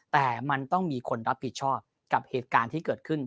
แต่มันต้องมีคนรับผิดชอบกับเหตุการณ์ที่เกิดขึ้น